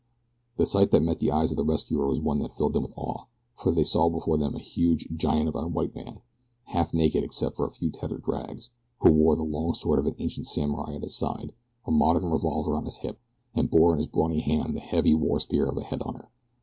The sight that met the eyes of the rescuers was one that filled them with awe, for they saw before them a huge, giant of a white man, half naked except for a few tattered rags, who wore the long sword of an ancient samurai at his side, a modern revolver at his hip, and bore in his brawny hand the heavy war spear of a head hunter.